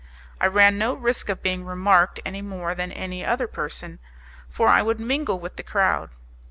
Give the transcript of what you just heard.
I ran no risk of being remarked any more than any other person, for I would mingle with the crowd.